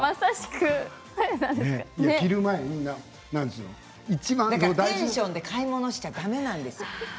インスピレーションで買い物しちゃだめなんです。